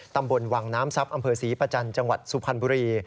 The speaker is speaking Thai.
ตำบลวังน้ำทรัพย์อำเภอศรีประจันทร์จังหวัดสุพรรณบุรี